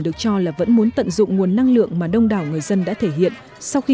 được cho là vẫn muốn tận dụng nguồn năng lượng mà đông đảo người dân đã thể hiện sau khi